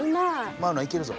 マウナ行けるぞ。